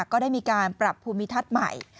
ก็ได้มีการปรับภูมิทัศน์ใหม่